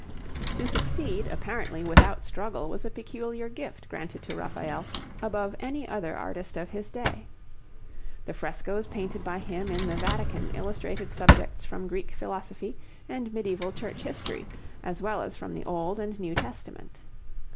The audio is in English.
To succeed apparently without struggle was a peculiar gift granted to Raphael above any other artist of his day. The frescoes painted by him in the Vatican illustrated subjects from Greek philosophy and medieval Church history, as well as from the Old and New Testament.